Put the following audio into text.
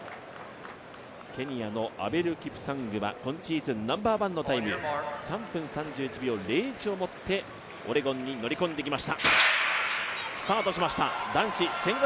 ケニアのアベル・キプサングは今シーズンナンバーワンのタイム、３分３１秒０１を持ってオレゴンに乗り込んできました。